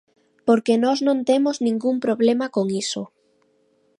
Porque nós non temos ningún problema con iso.